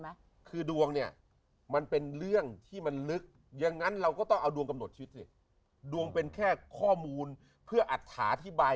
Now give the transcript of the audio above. นะคือดวงเนี่ยมันเป็นเรื่องที่มันลึกอย่างนั้นเราก็ตอบดวงกำหนดชุดชิดดวงเป็นแค่ข้อมูลเพื่ออรรคาว